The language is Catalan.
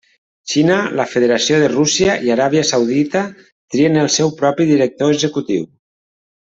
Xina, la Federació de Rússia i Aràbia Saudita trien el seu propi director executiu.